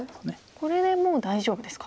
これでもう大丈夫ですか。